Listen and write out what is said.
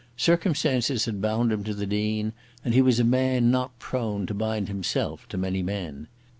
Circumstances had bound him to the Dean, and he was a man not prone to bind himself to many men.